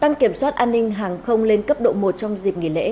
tăng kiểm soát an ninh hàng không lên cấp độ một trong dịp nghỉ lễ